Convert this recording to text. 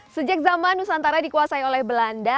sejak zaman nusantara dikuasai oleh belanda